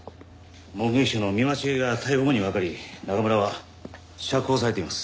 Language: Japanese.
目撃者の見間違いが逮捕後にわかり中村は釈放されています。